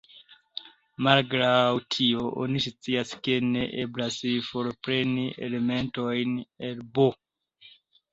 Malgraŭ tio, oni scias ke ne eblas forpreni elementojn el "B".